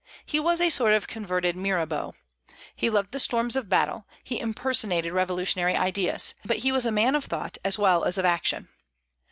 He was a sort of converted Mirabeau. He loved the storms of battle; he impersonated revolutionary ideas. But he was a man of thought, as well as of action.